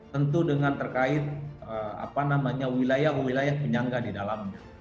tentu dengan terkait wilayah wilayah penyangga di dalamnya